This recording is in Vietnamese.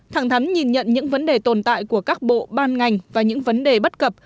thẳng thắn nhìn nhận những vấn đề tồn tại của các bộ ban ngành và những vấn đề bất cập